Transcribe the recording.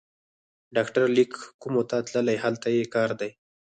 ډاکټر لېک کومو ته تللی، هلته یې کار دی.